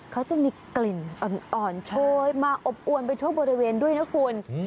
เขาจะมีกลิ่นอ่อนโชยมาอบอวนไปทั่วบริเวณด้วยนะคุณ